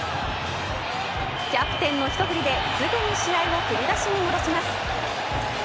キャプテンの一振りですぐに試合を振り出しに戻します。